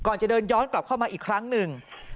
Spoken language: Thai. จะเดินย้อนกลับเข้ามาอีกครั้งหนึ่ง